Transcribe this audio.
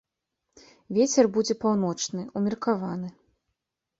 Вецер будзе паўночны, умеркаваны.